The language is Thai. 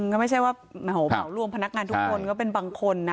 ก็ไม่ใช่ว่าเหมารวมพนักงานทุกคนก็เป็นบางคนนะ